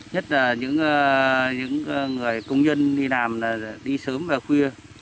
nhất là những người công nhân đi làm đi sớm vào khuya